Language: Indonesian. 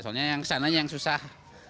soalnya yang kesananya yang susah